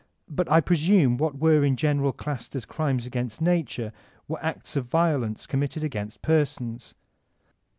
But I presume what were in general classed as crimes against nature were Acts of Violence committed against persons.